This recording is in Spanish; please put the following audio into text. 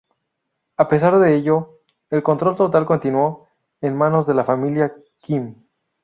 A pesar de ello, el control total continuó en manos de la familia Kim.